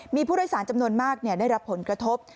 มีผู้โดยสารจำนวนมากได้รับผลกระทบ